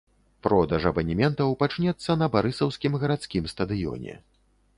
Продаж абанементаў пачнецца на барысаўскім гарадскім стадыёне.